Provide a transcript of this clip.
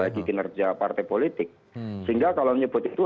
sehingga kalau menyebut itu